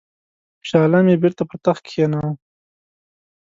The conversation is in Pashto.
شاه عالم یې بیرته پر تخت کښېناوه.